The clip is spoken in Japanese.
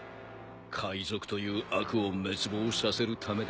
海賊という悪を滅亡させるためだ。